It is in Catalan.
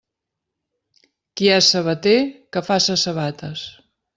Qui és sabater, que faça sabates.